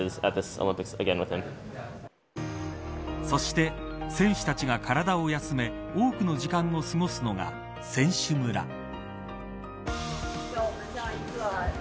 そして、選手たちが体を休め多くの時間を過ごすのが選手村。